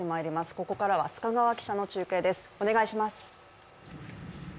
ここからは須賀川記者の中継です。